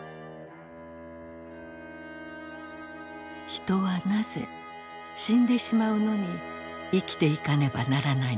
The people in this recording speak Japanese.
人はなぜ死んでしまうのに生きていかねばならないのか？